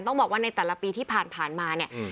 ต้องบอกว่าในแต่ละปีที่ผ่านมาเนี่ย